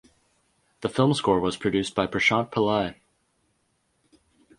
The film score was produced by Prashant Pillai.